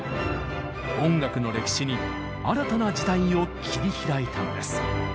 音楽の歴史に新たな時代を切り開いたのです。